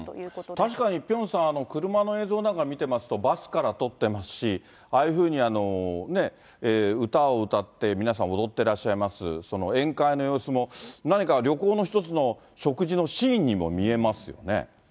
確かにピョンさん、車の映像なんか見てますと、バスから撮ってますし、ああいうふうにね、歌を歌って皆さん踊ってらっしゃいます、宴会の様子も、何か旅行の一つの食事のシーンにも見えますよね。